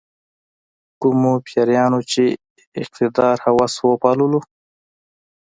کومو پیریانو چې اقتدار هوس وپاللو.